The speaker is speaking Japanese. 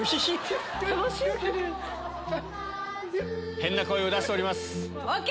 変な声を出しております。ＯＫ！